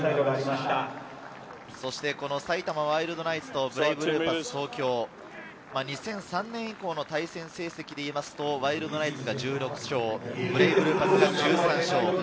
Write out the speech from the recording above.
そして埼玉ワイルドナイツとブレイブルーパス東京、２００３年以降の対戦成績でいいますと、ワイルドナイツが１６勝、ブレイブルーパスが１３勝。